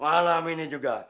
malam ini juga